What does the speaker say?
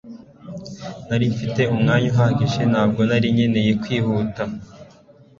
nari mfite umwanya uhagije, ntabwo rero nari nkeneye kwihuta